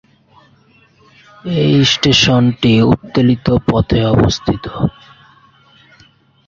এই স্টেশনটি উত্তোলিত পথে অবস্থিত।